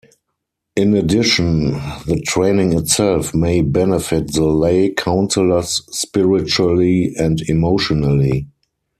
In addition, the training itself may benefit the lay counselors spiritually and emotionally.